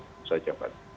itu saja pak